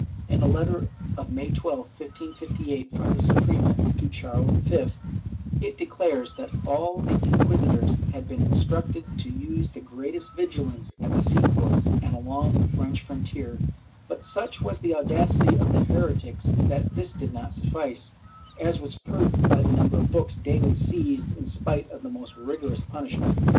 In a letter of May 12, 1558, from the Suprema to Charles V, it declares that all the inquisitors had been instructed to use the greatest vigilance at the sea ports and along the French frontier, but such was the audacity of the heretics that this did not suffice, as was proved by the number of books daily seized in spite of the most rigorous punishment.